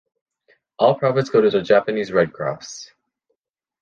All profits go to the Japanese Red Cross.